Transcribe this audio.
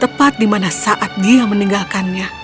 tepat dimana saat dia meninggalkannya